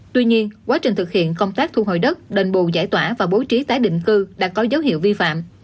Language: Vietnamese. tuy nhiên quá trình thực hiện công tác thu hồi đất đền bù giải tỏa và bố trí tái định cư đã có dấu hiệu vi phạm